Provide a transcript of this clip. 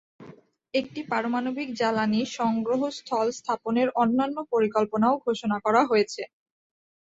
একটি পারমাণবিক জ্বালানি সংগ্রহস্থল স্থাপনের অন্যান্য পরিকল্পনাও ঘোষণা করা হয়েছে।